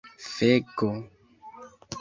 feko